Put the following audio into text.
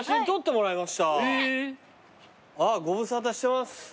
ご無沙汰してます。